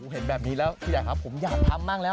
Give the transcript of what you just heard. เห็นแบบนี้แล้วพี่ใหญ่ครับผมอยากทำมากแล้ว